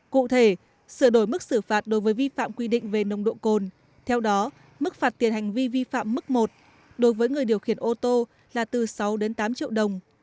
cụ thể sửa đổi mức xử phạt đối với vi phạm quy định về nồng độ cồn theo đó mức phạt tiền hành vi vi phạm mức một đối với người điều khiển ô tô là từ sáu đến tám triệu đồng